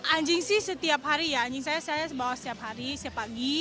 anjing sih setiap hari ya anjing saya saya bawa setiap hari setiap pagi